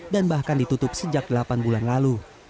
dan bahkan ditutup sejak delapan bulan lalu